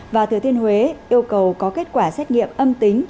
và thừa thiên huế yêu cầu có kết quả xét nghiệm âm tính